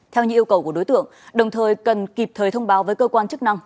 theo như yêu cầu của đối tượng đồng thời cần kịp thời thông báo với cơ quan chức năng